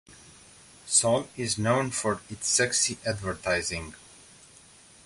Sol is known for its sexy advertising.